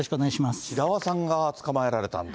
白輪さんが捕まえられたんだ。